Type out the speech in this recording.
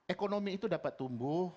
ekonomi itu dapat tumbuh